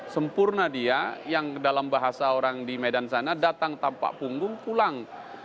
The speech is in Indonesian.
sempurna dia yang dalam bahasa orang di medan sana datang tanpa punggung pulang